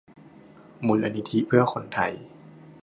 มูลนิธิเพื่อคนไทย